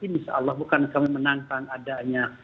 insya allah bukan kami menangkan adanya